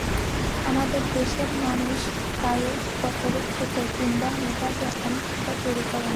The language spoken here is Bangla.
আমাদের দেশের মানুষ গায়ে-গতরে খেটে কিংবা মেধা দিয়ে অনেক সম্পদ তৈরি করেন।